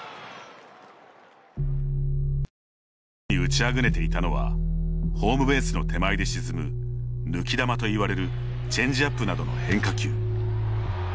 特に打ちあぐねていたのはホームベースの手前で沈む抜き球と言われるチェンジアップなどの変化球。